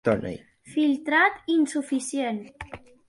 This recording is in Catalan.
Filtrat insuficient.